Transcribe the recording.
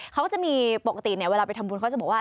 เขาก็จะมีปกติเนี่ยเวลาไปทำบุญเขาจะบอกว่า